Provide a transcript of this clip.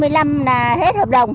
là hết hợp đồng